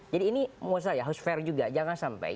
jadi ini menurut saya harus fair juga jangan sampai